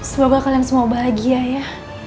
semoga kalian semua bahagia ya